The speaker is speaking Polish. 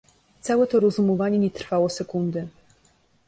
"Całe to rozumowanie nie trwało sekundy."